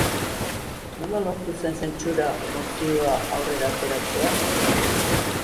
Nola lortu zen zentsura mozioa aurrera ateratzea?